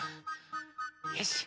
よし。